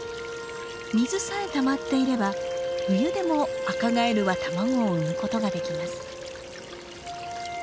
水さえたまっていれば冬でもアカガエルは卵を産むことができます。